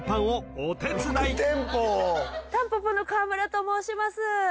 たんぽぽの川村と申します。